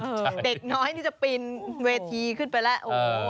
เด็กน้อยนี่จะปีนเวทีขึ้นไปแล้วโอ้โห